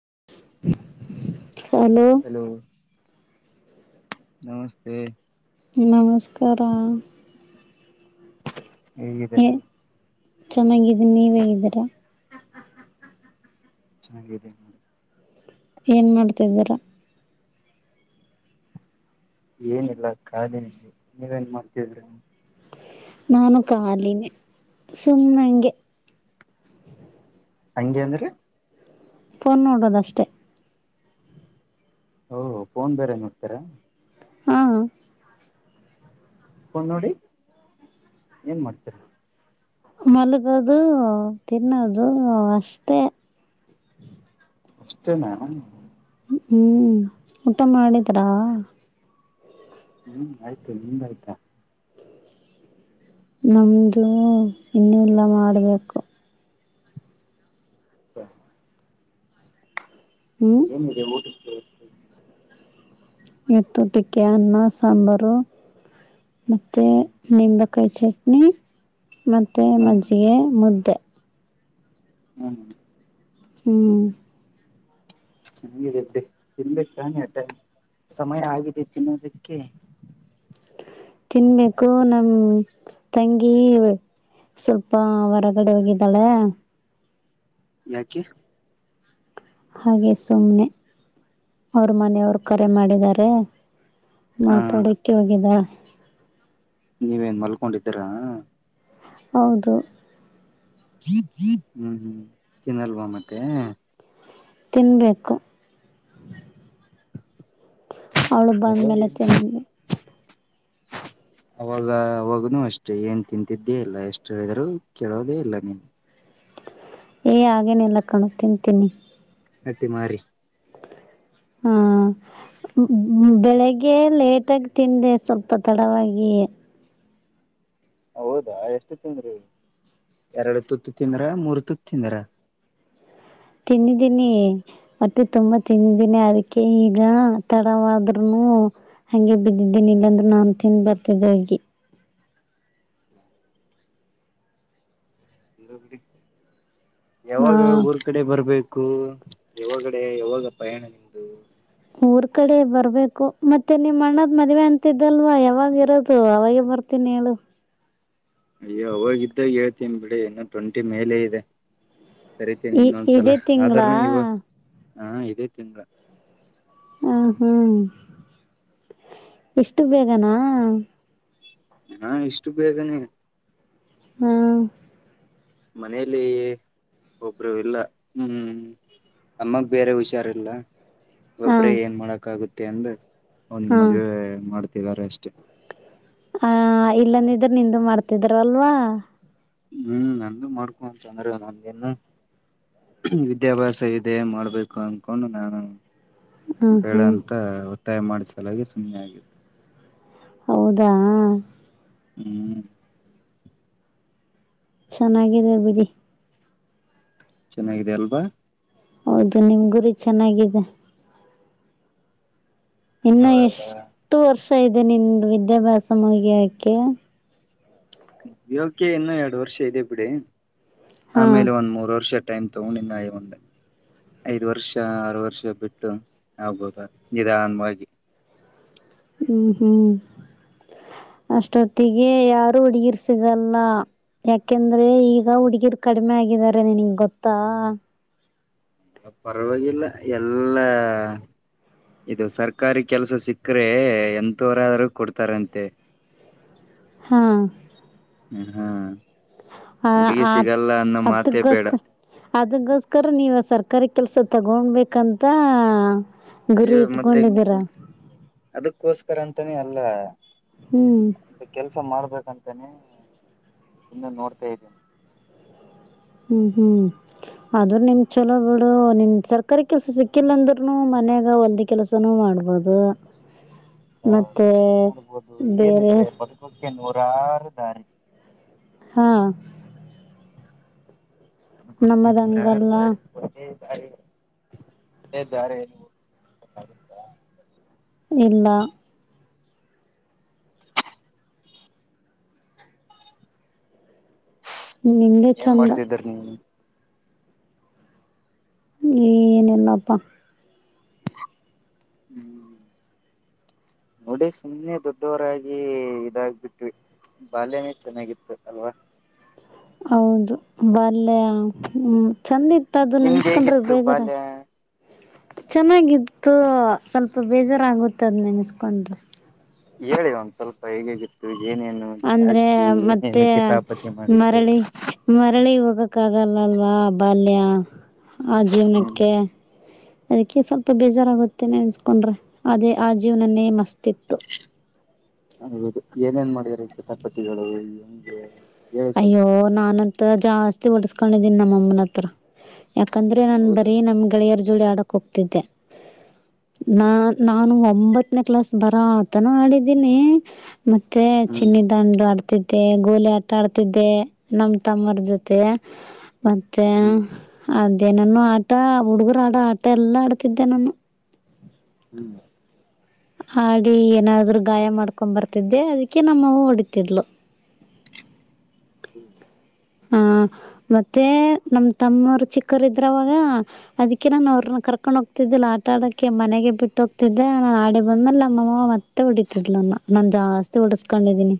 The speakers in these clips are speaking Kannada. [inaudible] ಹಲೋ ನಮಸ್ತೆ ನಮಸ್ಕಾರ ಹೇಗಿದ್ದೀರ ಚೆನ್ನಾಗಿದೀನಿ ನೀವ ಹೇಗಿದ್ದೀರ ಚೆನ್ನಾಗಾಗಿದೆ ನೋಡಿ ಏನ್ ಮಾಡ್ತಿದ್ದೀರ ಏನಿಲ್ಲ ಕಖಾಲಿನಲ್ಲಿ ನೀವೇನ್ ಮಾಡ್ತಿದ್ರಿ ನಾನು ಕಾಲಿನ ಸುಮ್ನೆ ಹಂಗೆ ಹಂಗೆ ಅಂದ್ರಿ ಫೋನ್ ನೋಡೋದಷ್ಟೆ ಓ ಫೋನ್ ಬೇರೆ ನೋಡ್ತಾರ ಹಾ ಫೋನ್ ನೋಡಿ ಏನ್ ಮಾಡ್ತೀರ ಮಲಗೋದು ತಿನ್ನೋದು ಅಷ್ಟೇ ಅಷ್ಟತೇ ನಾ ಹ್ಮ್ ಊಟ ಮಾಡಿದ್ರಾ ಹ್ಮ್ ಆಯ್ತು ನಿಮ್ದಾಯ್ತಾ ನಮದು ಇನ್ನೂಲ್ಲ ಮಾಡಬೇಕು ಹ [inaudible] ಹ್ಮ್ ಏನಿದೆ ಊಟಕ್ಕೆ ಇತ್ತು ಉಟ್ಟ ಕೆ ಅನ್ನ ಸಾಂಬಾರು ಮತ್ತೆ ಹ್ಮ ನಿಂಬ ಕೈಯಿ ಚಟ್ನಿ ನೀ ಮತ್ತೆ ಮಜ್ಜಿಗೆ ಮುದ್ದೆ ಹ್ಮ್ ಹ್ಮ್ ಚೆನ್ನಾಗಿದೆ ತಿನ್ಬೇಕಾನೆ ಅಟ ಸಮಯ ಆಗಿದೆ ತಿನ್ನೋದಕ್ಕೆ ತಿನ್ಬೇಕು ನಮ ತಂಗಿ ಸ್ವಲ್ಪ ಹೊರಗಡೆ ಹೋಗಿದ್ದಳ ಯಾಕೆ ಹಾಗೆ ಸುಮ್ನೆ ಅವ್ರ ಮನೆಯವರು ಕರೆ ಮಾಡಿದಿದ್ದಾರೆ ಹ ಮಾತಾಡಕ್ಕೆ ಹೋಗಿದ ನೀವೇನ್ ಮಲ್ಕೊಂಡಿದ್ದೀರಾ ಹೌದು ಜ ಜೀ ಹ್ಮ್ ಹ್ಮ್ ತಿನ್ನಲ್ವಾ ಮತ್ತೆ ತಿನ್ಬಗ್ು ಅವಳು ಬಂದ್ಮೇಲೆ ಚೆನ್ನ ಅವಾಗ ಅವಾಗನುೂ ಅಷ್ಟೆ ಏನ್ ತಿಂತಿದ್ದೇ ಇಲ್ಲ ಎಷ್ಟು ಹೇಳಿದರೂ ಕೇಳೋದೇ ಇಲ್ಲ ನೀನು ಏಯ ಹಾಗೇನೆಲ್ಲ ಕಣು ತಿಂತೀನಿ ಅಟ್ಟಿ ಮಾಡಾರಿ ಹಾ ಬೆಳಿಗ್ಗೆ ಲೇಟಾಗಿ ತಿಂದೆ ಸ್ವಲ್ಪ ತಡವಾಗಿ ಹೌದಾ ಎಷ್ಟು ತಿಂದ್ರಿ ಎರಡು ತುತ್ತು ತಿಂದ್ರ ಮೂರ್ ತುತ್ತು ತಿಂದ್ರ ತಿಂದಿದ್ದೀನಿ ಮತ್ತೆ ತುಂಬಾ ತಿಂದಿದ್ದೀನಿ ಅದಕ್ಕೆ ಈಗ ತಡವಾದ್ೂನು ಹಗೆ ಬಿದ್ದಿದ್ದೀನಿ ಇಲ್ಲಾಂದ್ರರು ನಾನು ತಿನ್ ಬರ್ತಿದ್ದ ಹೋಗಿ ಲಗ್ಳಡಿ ಹಾ ಯಾವಾಗ ಊರ್ ಕಡೆ ಬರ್ಬೇಕು ಕ್ಕು ಯಾವಗಡೆ ಯಾವಾಗ ಪಯಾಣ ನಿಮ್ದು ಊರ್ ಕಡೆ ಬರ್ಬೇಕು ಮತ್ತೆ ನಿಮ್ ಅಣ್ಣದ ಮದ್ವೆ ಅಂತಿದ್ದಲ್ವಾ ಯಾವಾಗ ಇರೋದು ಅವಾಗೆ ಬರ್ತೀನಿ ಹೇಳು ಅಯ್ಯೋ ಅವಾಗಿದ್ದಾಗ ಹೇಳ್ತೀನ್ ಬಿಡಿ ಇಏನೋ ಟ್ವೆಂಟಿ ಮೇಲೆ ಇದೆ ಸರಿತೇನೆಿ ಈ ಇನ್ನೊಂದ್ಸಲ ಇದೇ ತಿಂಗಳಾ ಆದ್ರನುೂ ಇವ ಹಾ ಇದೇ ತಿಂಗಗಳ ಹ ಹ್ಮ್ ಎಷ್ಟು ಬೇಗನಾ ಹಾ ಇಷ್ಟು ಬೇಗನೆ ಹ್ಮ ಮನೇಲಿ ಒಬ್ರು ಇಲ್ಲ ಹ್ಮ್ ಅಮ್ಮಗ್ ಬೇರೆ ಹುಷಾರಿಲ್ಲ ಹಾ ಒಬ್ರೆ ಏನ್ ಮಾಡಕ್ಕ ಆಗುತ್ತೆ ಟ ಅಂದಜ್ ಒಂದ್ ಹಾ ಮದ್ವೆ ಮಾಡ್ತ ದಾ ರೆಸ್ಟ್ ಆ ಇಲ್ಲಂದಿದ್ರೆ ನಿಂದು ಮಾಡ್ತಿದ್ರವಲ್ವಾ ಹ್ಮ್ ನಂದು ಮಾಡ್ಕೊ ಅಂತಂದ್ರೆ ನನ್ೇನು ವಿದ್ಯಾಭ್ಯಾಸ ಇದೆ ಮಾಡ್ಬೇಕು ಅನ್ಕೊಂಡು ನಾನು ಹ್ಮ್ ಬೇಡ ಹ್ಮ್ ಅಂತ ಟ್ಟಾಯ ಮಾಡಿಸಲಾಗಿ ಸುಮ್ಮನೆ ಆಗೆ ಹೌದಾ ಹ್ಮ್ ಚೆನ್ನಾಗಿದೆ ಬಿ ಚೆನ್ನಾಗಿದೆ ಅಲ್ವಾ ಹೌದು ನಿಮ್ ಗುರಿ ಚೆನ್ನಾಗಿದೆ ಇನ್ನು ಎಷ್ಟು ವರ್ಷ ಇದೆ ನಿಂದು ವಿದ್ಯಾಭ್ಯಾಸ ಮುಗಿಯಾಕೆ ಇವಗ್ಗೆ ಇನ್ನ ಎರಡು ವರ್ಷ ಇದೆ ಬಿಡಿ ಹಾ ಆಮೇಲೆ ಒಂದ್ ಮೂರ್ ವರ್ಷ ಟೈಮ್ ತಗೊಂಡಿನ ಒಂದೆ ಐದ್ ವರ್ಷ ಆರು ವರ್ಷ ಬಿಟ್ಟು ಆಗ್ಬೋದ ನಿಧಾನ್ವಾಗಿ ಹ್ಮ್ ಹ್ಮ್ ಅಷ್ಟೊತ್ತಿಗೆ ಯಾರು ಹುಡ್ಗೀರ್ ಸಿಗಲ್ಲ ಯಾಕೆಂದ್ರೆ ಈಗ ಹುಡ್ಗೀರ್ ಕಡಿಮೆ ಆಗಿದಾರೆ ನಿನಿಗ್ ಗೊತ್ತಾ ಅ ಪರ್ವಾಗಿಲ್ಲ ಎಲ್ಲಾ ಇದು ಸರ್ಕಾರಿ ಕೆಲ್ಸ ಸಿಕ್ಕ್ರೆ ಎಂತವ್ರ್ ಆರೂ ಕೊಡ್ತಾರಂತೆ ಹಾ ಹ್ಮ್ ಹ ಹುಡುಗಿ ಆದ್ ಸಿಗಲ್ಲ ಅನ್ನೋ ಮಾತೇ ಬೇಡ ಅದ್ದುಗೋಸ್ಕ ಅದುಗೋಸ್ಕರ ನೀವ ಸರ್ಕಾರಕ್ ಕೆಲಸ ತಗೊಬೇಕಂತಾ ಅಯ್ಯೋ ಗುರಿ ಇಟ್ಕೊಂಡಿದೀರ ಕರ ಅಂತಾನೇ ಅಲ್ವಾ ಮತ್ತೆ ಕೆಲ್ಸ ಮಾಡ್ಬೇಕಂತ್ ತೆನೀ ಇನ್ನು ನೋಡ ಇದೀನಿ ಹ್ಮ್ ಹ್ಮ್ ಆದುರು ನಿಮ್ ಚಲೋ ಬಿಡು ನಿಮ್ ಸರ್ಕಾರಿ ಕೆಲ್ಸ ಸಿಕ್ಕಿಲ್ಲ ಅಂದುರ್ನೂ ಮನ್ಯಾಗ ಹೊಲ್ದಿ ಕೆಲಸನೂ ಮಾಡ್ಬೋದು ಹೌದ್ ಮತ್ತು ಆದ್ರೆ ಮಾಡ್ಬೋದು ಬೇರೆ ಏನಿದೆ ಬದುಕೋಕ್ ಕೆ ನೂರಾರು ದಾರಿ ಹಾ ನಮ್ಮದು ಹಂಗಲ್ಲ [unintelligible] [inaudible] ಇಲ್ಲ ನಿಂದೆ ಏನ್ ಚಂದ ಮಾಡ್ತಿದ್ರ ನೀವು ಏನಿಲ್ಲಪ್ಪ ಹ್ಮ್ ನೋಡಿ ಸುಮ್ನೆ ದೊಡ್ಡವರಾಗಿ ಇದಾಗಬಿಟ್ವಿ ಬಾಲ್ಯನೇ ಚೆನ್ನಾಗಿತ್ತು ಅಲ್ವಾ ಹೌದು ಬಾಲ್ಯಾಂಗ್ ಹ್ಮ್ ಚಂದ್ ಇತ್ ತ್ತು ಅದುನ್ ನಿಮ್ದ್ ನೆನುಸ್ಕೊಂಡ್ರೆ ಈಗ್ ಹೇಗಿತ್ತು ಬೇಜಾರಾತ್ ಬಾಲ್ಯ ಚೆನ್ನಾಗಿತ್ತು ಸ್ವಲ್ಪ ಬೇಜಾರಾಗುತ್ತದ್ ನೆನನುಸ್ಕೊಂಡ್ರೆ ಹೇಳಿ ಒಂದ್ ಸ್ವಲ್ಪ ಹೇಗ್ ಹೇಗ್ ಇರ್ತಿವ್ ಅಂದ್ರೆ ಮತ್ತೆ ಕಿತಾಪತಿ ಮಾಡಿದ್ದು ಮರಳಿ ಮರಳಿ ಹೋಗಕ್ ಕ್ಕಾಗಲಲ್ವಾ ಬಾಲ್ಯ ಆ ಹ್ಮ್ ಜೀವ್ನುಕ್ಕೆ ಅದುಕ್ಕೆ ಸ್ವಲ್ಪ ಬೇಜಾರಾಗುತ್ತೆ ನೆನ್ಸ್ಕೊಂಡ್ರೆ ಅದೇ ಆ ಜೀವನನೇ ಮಸ್ತಿತ್ತು ಅದ್ ಹೌದು ಏನೇನ್ ಮಾಡಿದ್ರಿ ಕಿತಾಪತಿಗಳು ಹೆಂಗೆ ಹೇಳಿ ಸ್ವಲ್ಪ ಅಯ್ಯೋ ನಾನಂತು ಜಾಸ್ ತಿ ಹೊಡುಸ್ಕಂಡಿದೀನಿ ನಮ್ಮಮ್ಮನ್ ಹತ್ರ ಯಾಕಂದ್ರೆ ನಾನ್ ಹೌದಾ ಬರೀ ನಮ್ ಹ್ಮ್ ಗೆಳೆಯರ ಜೋಡಿ ಆಡಕ್ ಕೂಗ್ತಿದ್ದೆ ನಾ ನಾನು ಹೊಡ್ ಒಂಬತ್ನೇ ಕ್ಲಾಸ್ ಬರಾ ತನ ಆಡಿದೀನಿ ಮತ್ತೆ ಹ್ಮ್ ಚಿನ್ನಿ ದಾಂಡು ಆಡ್ತಿದ್ ತೇ ಗೋಲ್ ತ ಆಟಾಡ್ತಿದ್ದೆ ನಮ್ಮ ತಮ್ಮರ ಜೊತೆ. ಮತ್ತೆ ಹ್ಮ್ ಅದು. ಇದೇ ನಾನು ಆಟ ಹುಡುಗರು ಆಡ ಆಟ ಎಲ್ಲಾ ಆಡ್ತಿದ್ದೆ ನಾನು. ಹ್ಮ್. ಆಡಿ ಏನಾದ್ರು ಗಾಯ ಮಾಡ್ಕೊಂಡ್ ಬರ್ತಿದ್ದೆ ಅದಕ್ಕೆ ನಮ್ಮವು ಹೊಡಿತಿದ್ಲು. ಹ್ಮ್. ಹಾ ಮತ್ತೆ ನಮ ತಮ್ಮರು ಚಿಕ್ಕರ ಇದ್ರವಾಗ ಅದಕ್ಕೆ ನಾನು ಅವ್ರನ್ನ ಕರ್ಕೊಂಡ್ ಹೋಗ್ತಿದ್ದಿಲ್ಲ ಆಟಾ ಆಡಕ್ಕೆ ಮನೆಗೆ ಬಿಟ್ಟ ಹೋಗ್ತಿದ್ದೆ ನಾನನ್ ಆಡಿ ಬಂದ್ಮೇಲೆ ನಮ್ಮಮ್ಮವ ಮತ್ತೆ ಹೊಡಿತಿದ್ಲನ್ನ ನಾನ್ ಜಾಸ್ತಿ ಉಡಸ್ಕೊಂಡಿದೀನಿ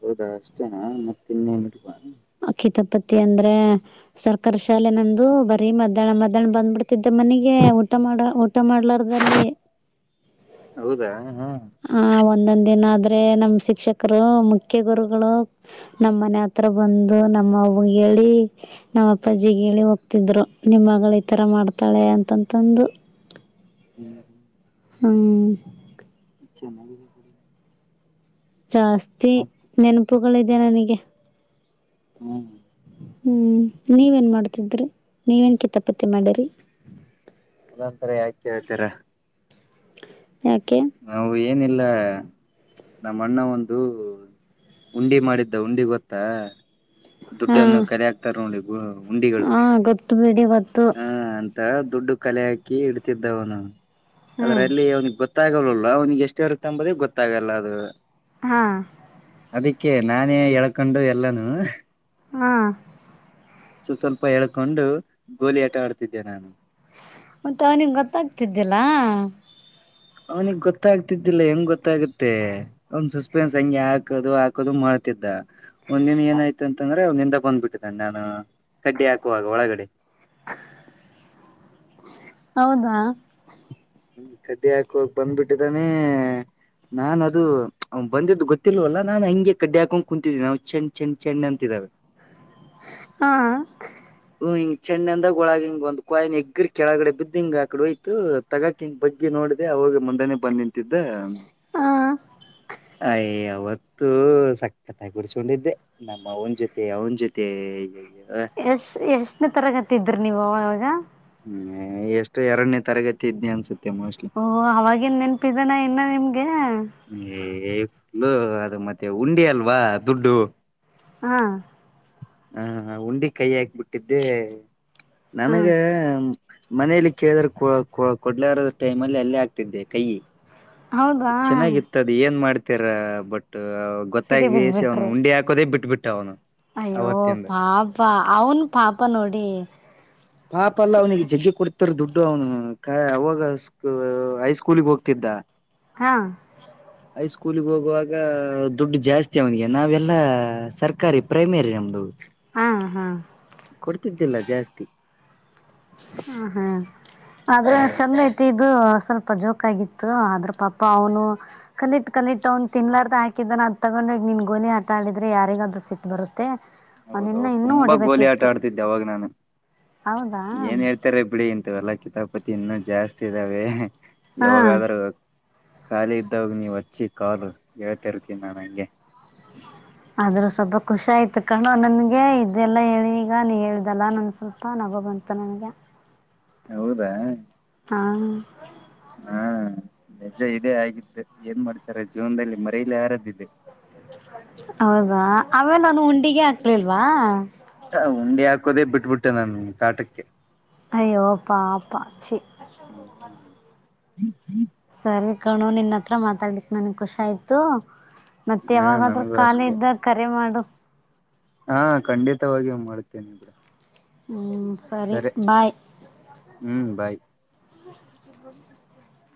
ಹೌದಾ ಅಷ್ಟೇನಾ ಮತ್ತ ಇನ್ನೇನ್ ಇಲ್ವಾ. ಅಕ್ಕಿತಪತಿ ಅಂದ್ರೆ ಸರ್ಕಾರಿ ಶಾಲೆ ನಂದು ಬರೀ ಮಧ್ಯಾಹ್ನ ಮಧ್ಯಾಹ್ನ ಬನ್ಡಬಿಡ್ತ್. ಮನಗೆ ಊಟ ಮಾಡ ಊಟ ಮಾಡ್ಲಾರಲ್ಲಿ ಹೌದಾ ಹಾ ಆ ಒಂದೊಂದಿನ ಆದ್ರೆ ನಮ್ ಶಿಕ್ಷಕರು ಮುಖ್ಯ ಗುರುಗಳು ನಮ್ಮ್ ಮನೆ ಹತ್ರ. ಬಂದು ನಮ್ಮ ಹೇಳಿ ನಮ್ಮ ಅಪ್ಪಾಜಿ ಹೋಗ್ತಿದ್ರು ನಿಮ್ಮ ಮಗಳು ಈ ತರ ಮಾಡ್ತಾಳೆ ಅಂತಂತ. ಹ್ಮ್ ಹ್ಮ್. ಹಂಗ ಚೆನ್ನಾಗಿದೆ ಬಿಡಿ. ಜಾಸ್ತಿ ಮತ್ತೆ ನೆನಪು. ಗಳಿದೆ ನನಗೆ ಹ್ಮ್ ಹ್ಮ್ ನೀವೇನ್ ಮಾಡ್ತಿದ್ರಿ ನೀವೇನು ಕಿತಪತಿ ಮಾಡಿರಿ. ಒ ನಂತರ ಯಾಕ ಕೇಳ್ತೀರ. ಯಾಕೆ. ನಾವು ಏನಿಲ್ಲ ನಮ್ಮ ಅಣ್ಣ ಒಂದು ಉಂಡಿ ಮಾಡಿದ್ದ ಉಂಡಿ ಗೊತ್ತ. ದುಡ್ಡನ್ನು ಹಾಂ ಕರಿ ಹಾಕ್ತಾರೆ ನೋಡಿ. ಉಂಡಿಗಳು. ತುವಿಡೀವತ್. ಹಾ ಅಂತ. ದುಡ್ಡು ಕಲೆ ಹಾಕಿ ಇಡ್ತಿದ್ದವನು. ಹ್ಞೂ ಅದ್ರ ಅಲ್ಲಿ ಅವ್ನಿಗೆ ಗೊತ್ತ ಗೊತ್ತಾಗಲ್ಲಲ್ಲ ಅವ್ಗೆ ಎಷ್ಟು ಇರುತ್ತೆ ಅಂಬದ ಗೊತ್ತಾಗಲ್ಲ ಅದು ಹಾ. ಅದಕ್ಕೆ ನಾನೇ ಹಳ್ಕೊಂಡು ಎಲ್ಲಾನೂ ಹ್ಮ. ಸೊ ಸ್ವಲ್ಪ ಹೇಳ್ಕೊಂಡು ಗೋಲಿ ಆಟ ಆಡ್ತಿದ್ದೆ ನಾನು. ಮತ್ತೆ ಅವನಿಗೆ ಗೊತ್ತಾಗ್ತಿದ್ದಿಲ್ಲ. ಅವ್ನಿಗ್ ಗೊತ್ತಾಗ್ತಿದ್ದಿಲ್ಲ ಹೆಂಗ್ ಗೊತ್ತ. ಆಗುತ್ತೆ ಒ [unintelligible] ಹಾಕದು ಹಾಕದು ಮಾಡ್ತಿದ್ದ ಒಂದನ್ ಏನಾಯ್ತ ಅಂತಂದ್ರೆ ಅವಂದ್ಿಂದ ಬಂದ್ಬಿಟ್ಟಿದ್ದನೆೆ ನಾನು ಕಡ್ಡಿ ಹಾಕುವಾಗ ಒಳಗಡೆ ಹೌದಾ ಹ್ಮ ಕಡ್ಡಿ ಹಾಕ ಬಂದ್ಬಿಟ್ಟಿದ್ದಾನೆ ನಾನ ಅದು ಬಂದಿದ್ದು ಗೊತ್ತಿಲ್ವಲ್ಲ ನಾನ್ ಹಗೆ ಕಡ್ಡಿ ಹಾಕೊಂಡ ಕುಂತಿದ್ದೀನಿ ನಾವು ಚೆಂಡ್ ಚೆಣ್ ಚೆಣ್ ಅಂತಿದಾವ ಹಾ ್ ಹಿಂಗ ಚೆ್ಣಂದಾಗ ಒಳಗ ಹಿಂಗ ಒಂದು್ಾಯ ಎಗ್ಗ್ರ ಕೆಳಗಡೆ ಬಿದ್ದ್ ಹಿಂಗ ಆ ಕಡೆ ಹಯತು ತಗಕಕ್ ಹಿಂಗ ಬಗ್ಗಿ ನೋಡ್ದೆ ಅವಾಗ ಮುಂದಾನನೆ ಬಂದ್ ನಿಂತಿದ್ದ ಹಾಂ ಅಯ್ಯೋ ಅವತ್ತುೂ ಸಕ್ಕತ ಗುಡಿಸಕೊಂಡಿದ್ದೆ ನಮ್ಮ ಅವನ ಜೊತೆ ಅವನ ಜೊತೆಯ್ಯಯ್ಯ ಎಸ್ ಎಸ್ ಇನ್ನ ತರಗತ ಇದ್ರೀ ನೀವು ಅವಾಗಾಗ ಹ್ಮ ಎಷ್ಟು ಎರಡನೇ ತರಗತಿ ಇದ್ದಿ ಅನ್ಸುತ್ತೆ ಮೋಸ್ಟ್ಲಿ ಓಹ ಅವವಾಗಿನ್ ನೆನ್ಪಿದನ ಇನ್ನ ನಿಮ್ಗೆ ಹೇ ಫುಲ್ಲ ಅದು ಮತ್ತೆ ಉಂಡಿ ಅಲ್ವಾ ದುಡ್ಡು ಹ ಹ ಉಂಡಿ ಕೈ ಹಾಕ್ ಬಿಿಟ್ಟಿದ್ದೆ ಹಾ ನನಗೆ ಮನಲಿ ಕೇಳಿದ್ರ ಕೊಡ್ಲಾರೋದ ಟೈಮ್ಲ್ಲಿ ಅಲ್ಲೇ ಆಗ್ತಿದ್ದೆ ಕೈ ಹೌದಾ ಚೆನ್ನಾಗಿತ್ತದ ಏನ್ ಮಾಡ್ತ [unintelligible] ಬಟ್ ಸಿಗೆ ಗೊತ್ತಾಗಿಸಿ ಅವ್ನು ಬಿದ್ಬಿಟ್ರಿ ಉಂಡಿ ಹಾಕೋದೇ ಬಿಟ್ಟಟ್ಬಿಟ್ಟು [inaudible] ಅಯ್ಯೋ ಪಾಪ ಅವನ್ ಪಾಪ ನೋಡಿ ಪಾಪ ಅಲ್ಲ ಅವ್ನಿಗೆ [unintelligible] ಕೊಡ್ತಾರ ದುಡ್ಡು ಅವ್ನು ಅವಾಗ ಹೈಸ್ಕೂಲಿಗೆ ಹೋಗ್ತಿದ್ದ ಹಾ ಸ್ಕೂಲಿಗೆ ಹೋಗುವಾಗ ದುಡ್ ಜಾಸ್ತಿ ಅವನಿಗೆ ನಾವೆಲ್ಲ ಸರ್ಕಾರಿ ಪ್ರೈಮೇರಿ ನಮ್ದು ಹಾ ಹಾ ಕೊಡ್ತಿದ್ದಿಲ್ಲ ಜಾಸ್ತಿ ಹ ಹ್ಮ್ ಆದ್ರೆ ಚಂದ ಐತಿ ಇದು ಸ್ವಲ್ಪ ಜೋಕ ಆಗಿತ್ತು ಆದ್ರ ಪಾಪ ಅವನು ಕಲಿಟ್ ಕಲಿಟ್ ಅವ್ನ್ ತಿನ್ಲಾರ್ದ ಹಾಕಿದ್ದಾನ ಅದ ತಗೊಂಡ ನಿನ್ ಗೋಲಿ ಆಟಾಡಿದ್ರೆ ಯಾರಿಗಾದರು ಸಿಟ್ ಬರುತ್ತೆ ಅವನಿನ್ನ ಹೌದೌದು ಇನ್ನೂ ತುಂಬಾ ಗೋಲಿ ಆಟ ಹೊಡಿಬೇಕಿತ್ತು ಆಡ್ತಿದ್ದೆ ಅವಾಗ ನಾನು ಹೌದಾ ಏನ್ ಹೇಳ್ತಾರೆ ಬಿಳಿ ಇಂತವಲ್ಲ ಕಿತಾಬ್ ಪತಿ ಇನ್ನುೂ ಜಾಸ್ತಿ ಇದಾವೆ ಹಾ ಯಾವಗಾದರು ಖಾಲಿ ಇದ್ದವಾಗ ನೀವು ಹಚ್ಚಿ ಕಾಲು ಹೇಳ್ತ ಇರ್ತೀನಿ ನಾು ನಂಗೆ ಆದ್ರೂ ಸ್ವಲ್ಪ ಖುಷಿ ಆಯ್ತು ಕಣೋ ನನ್ಗೆ ಇದೆಲ್ಲ ಹೇಳಿ ಈಗ ನೀ ಹೇಳ್ದಲ್ಲಾ ನನ್ ಸ್ವಲ್ಪ ನಗ ಬಂತು ನನ್ಗೆ ಹೌದಾ ಆಂಗ ಹಾ ಬಜ ಇದೇ ಆಗಿದ್ದು ಏನ್ ಮಾಡ್ತಾರ ಜೀವನದಲ್ಲಿ ಮರೆಯಲಿ ಆಾರದಿದೆ ಹೌದಾ ಆಮೇಲೆಾನು ಉಂಡಿಗೆ ಹಾಕ್ಲಿಲ್ವಾ ಉಂಡೆ ಹಾಕೋದೇ ಬಿಟ್ಬಿಟ್ಟೆ ನನ್ ಕಾಟಕ್ಕೆ ಅಯ್ಯೋಪಾಪಾ ಸ ಹ್ಮ್ ಹ್ಮ್ ಹ್ಮ ಹ ಹ ಸರಿ ಕಣು ನಿನ್ತ್ರ ಮಾತಾಡ್ಲಿಕ್ ನನ್ಗ್ ಖುಷಾಯ್ತು ಮತ್ತೆ ಹಾ ಯಾವಾಗಾದ್ರೂ ನನಗೂ ಕಖಾಲಿ ಅಷ್ಟೆ ಇದ್ದಾಗ ಕರೆ ಮಾಡು ಹಾ ಖಂಡಿತವಾಗಿ ಮಾಡುತ್ತೇನೆಿ ಬಿಡ ಹಞ ಸರಿ ಬಾಯ್ ಹ್ಮ್ ಬಾಯ್ ಇ